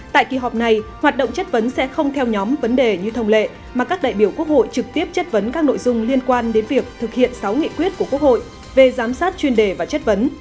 tại kỳ họp này hoạt động chất vấn sẽ không theo nhóm vấn đề như thông lệ mà các đại biểu quốc hội trực tiếp chất vấn các nội dung liên quan đến việc thực hiện sáu nghị quyết của quốc hội về giám sát chuyên đề và chất vấn